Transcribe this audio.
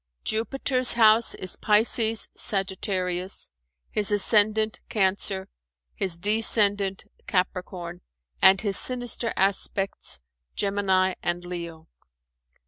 Jupiter's house is Pisces Sagittarius, his ascendant Cancer, his descendant Capricorn and his sinister aspects Gemini and Leo.